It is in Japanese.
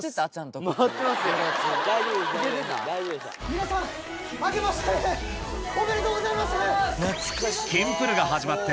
皆さんあけましておめでとうございます。